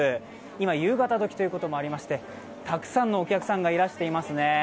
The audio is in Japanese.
今、夕方どきということもありまして、たくさんのお客さんがいらしてますね。